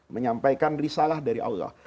menyampaikan risalah dari allah